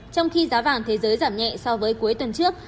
trong khi giá vàng thế giới giảm nhẹ so với cuối tuần trước